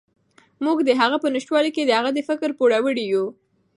موږ د هغه په نشتوالي کې د هغه د فکر پوروړي یو.